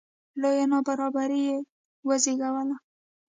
لویه نابرابري یې وزېږوله